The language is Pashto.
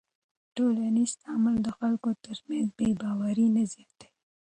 ټولنیز تعامل د خلکو تر منځ بېباوري نه زیاتوي.